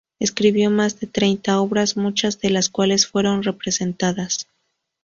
Escribió más de treinta obras, muchas de las cuales fueron representadas.